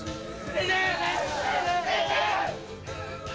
先生！